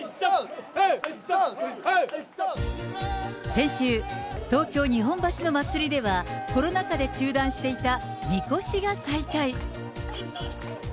先週、東京・日本橋の祭りでは、コロナ禍で中断していたみこしが再開。